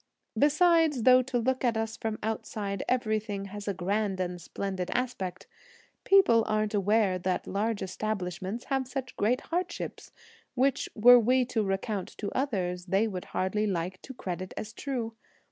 Besides, though to look at us from outside everything has a grand and splendid aspect, people aren't aware that large establishments have such great hardships, which, were we to recount to others, they would hardly like to credit as true.